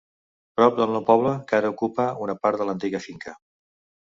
Prop del nou poble que ara ocupa una part de l'antiga finca.